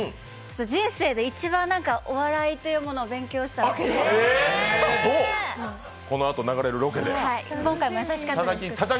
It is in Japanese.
人生で一番お笑いというものを勉強してきました。